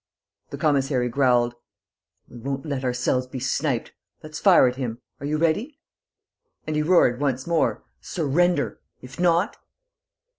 The commissary growled: "We won't let ourselves be sniped. Let's fire at him. Are you ready?" And he roared, once more, "Surrender ... if not...!"